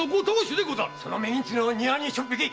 その牝狐を庭にしょっ引け！